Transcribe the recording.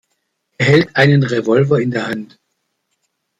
Er hält einen Revolver in der Hand.